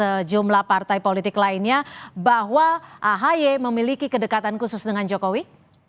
ke publik ke sejumlah partai politik lainnya bahwa ahaye memiliki kedekatan khusus dengan jokowi